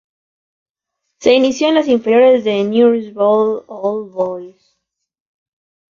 Se inició en las inferiores de Newell's Old Boys.